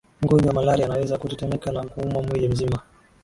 mgonjwa wa malaria anaweza kutetemeka na kuumwa mwili mzima